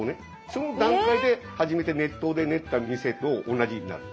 その段階で初めて熱湯で練った店と同じになる。